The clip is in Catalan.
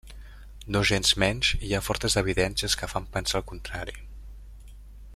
Nogensmenys, hi ha fortes evidències que fan pensar el contrari.